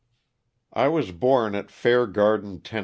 T WAS born at Fair Garden, Tenn.